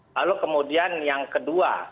lalu kemudian yang kedua